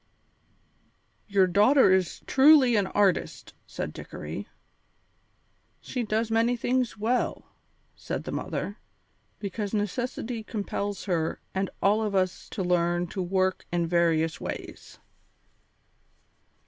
"Your daughter is truly an artist," said Dickory. "She does many things well," said the mother, "because necessity compels her and all of us to learn to work in various ways."